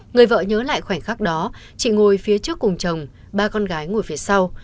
người vợ nhớ lại khoảnh khắc đó chị ngồi phía trước cùng chồng ba con gái ngồi phía sau